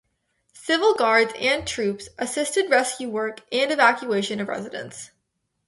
Civil guards and troops assisted rescue work and evacuation of residents.